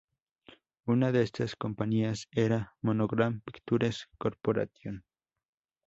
Una de estas compañías era Monogram Pictures Corporation.